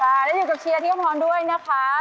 แล้วอยู่กับเชียร์ที่อำพรด้วยนะคะ